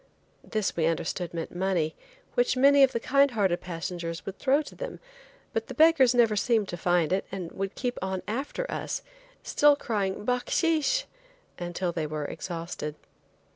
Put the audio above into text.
This we understood meant money, which many of the kind hearted passengers would throw to them, but the beggars never seemed to find it, and would keep on after us, still crying, "bahkshish" until they were exhausted.